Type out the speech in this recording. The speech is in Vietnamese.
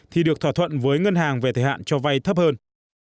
thì được thỏa thuận với ngân hàng về thời hạn cho vay thấp hơn